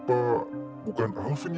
aku kasih tua tuanya